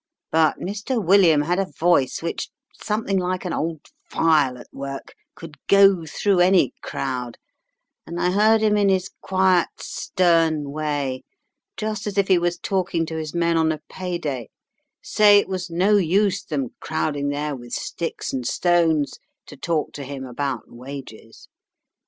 But Mr. William had a voice which, something like an old file at work, could go through any crowd, and I heard him in his quiet, stern way, just as if he was talking to his men on a pay day, say it was no use them crowding there with sticks and stones to talk to him about wages.